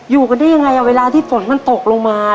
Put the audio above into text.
อยู่กันได้ยังไงเวลาที่ฝนมันตกลงมา